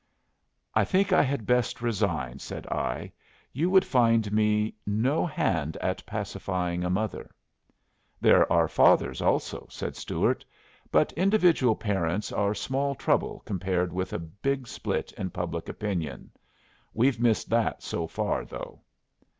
"I think I had best resign." said I. "You would find me no hand at pacifying a mother." "There are fathers also," said Stuart. "But individual parents are small trouble compared with a big split in public opinion. We've missed that so far, though."